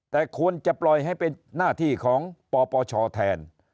แต่ควรจะปล่อยให้เป็นหน้าที่ของปปชแทน